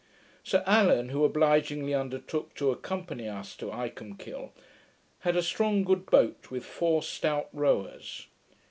Sir Allan, who obligingly undertook to accompany us to Icolmkill had a strong good boat, with four stout rowers.